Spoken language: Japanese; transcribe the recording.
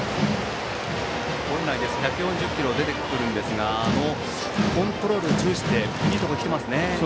本来ですと１４０キロ出てくるんですがコントロール重視でいいところに来ていますね。